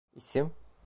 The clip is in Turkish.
İsim?